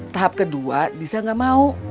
tahap kedua disa gak mau